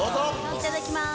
いただきます。